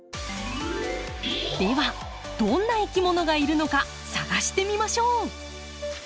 ではどんないきものがいるのか探してみましょう！